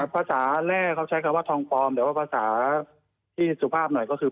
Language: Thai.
ภาษาแรกเขาใช้คำว่าทองปลอมแต่ว่าภาษาที่สุภาพหน่อยก็คือ